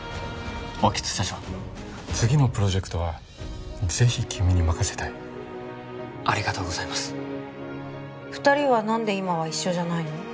興津社長次のプロジェクトはぜひ君に任せたいありがとうございます２人は何で今は一緒じゃないの？